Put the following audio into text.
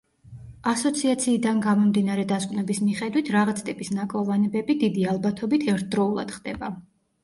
ასოციაციიდან გამომდინარე დასკვნების მიხედვით, რაღაც ტიპის ნაკლოვანებები დიდი ალბათობით ერთდროულად ხდება.